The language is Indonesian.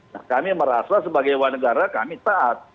nah kami merasa sebagai warga negara kami taat